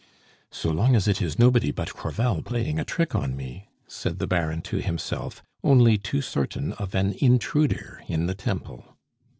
"So long as it is nobody but Crevel playing a trick on me!" said the Baron to himself, only too certain of an intruder in the temple.